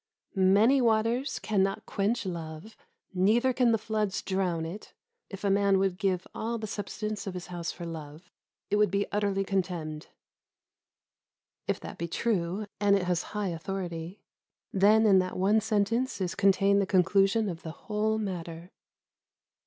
"Many waters cannot quench love, neither can the floods drown it; if a man would give all the substance of his house for love, it would be utterly contemned." If that be true, and it has high authority, then in that one sentence is contained the conclusion of the whole matter.